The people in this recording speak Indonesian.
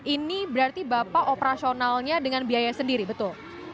ini berarti bapak operasionalnya dengan biaya sendiri betul